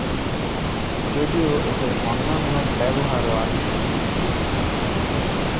যদিও এদের অন্যান্য ব্যবহারও আছে।